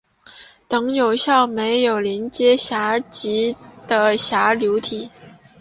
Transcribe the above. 等效于没有连接闸极的闸流体。